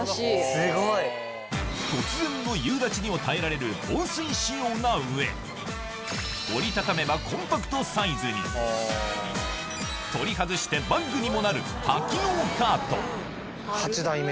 すごい！突然の夕立にも耐えられる防水仕様な上折り畳めばコンパクトサイズに取り外してバッグにもなる多機能カート